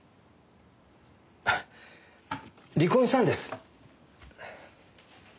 あっ離婚したんです。